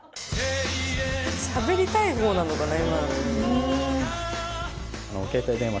しゃべりたい方なのかな？